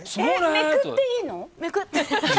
めくっていいの？